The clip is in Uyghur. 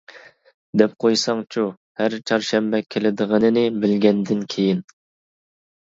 -دەپ قويساڭچۇ ھەر چارشەنبە كېلىدىغىنىنى بىلگەندىن كېيىن.